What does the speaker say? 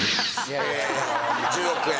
え１０億円。